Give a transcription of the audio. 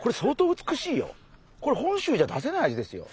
これ本州じゃ出せない味ですよ。